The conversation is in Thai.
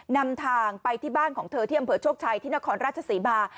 นำทางไปที่บ้านของเธอที่อำเภอโชคชัยที่นครราชศรีมา